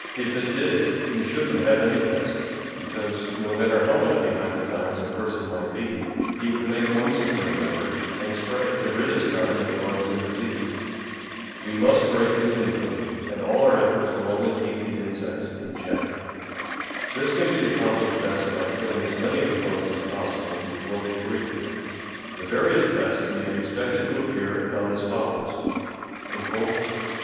If it did, we THE VEGETABLE GARDEN shouldn't have any pests, because, no matter how much behind the times a person might be, he would make one supreme effort, and s]3ray, to rid his garden of bugs and disease. We must spray con tinually, and all our efforts will only keep the in sects in check. This can be accomplished best by killing as many of the bugs as possible before they breed. The various pests may be expected to appear about as follows: April.